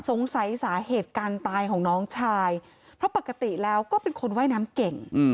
สาเหตุการตายของน้องชายเพราะปกติแล้วก็เป็นคนว่ายน้ำเก่ง